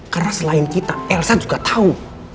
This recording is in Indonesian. karena selain kita elsa juga tau